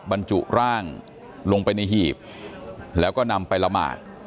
บรรจุร่างลงไปในหีบแล้วก็นำไปละหมาด